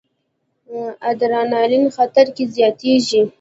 ادرانالین خطر کې زیاتېږي.